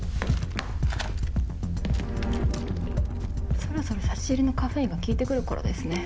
そろそろ差し入れのカフェインが効いて来る頃ですね。